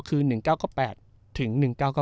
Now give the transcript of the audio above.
คือ๑๙๙๘ถึง๑๙๙